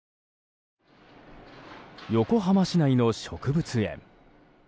横浜市内の植物園。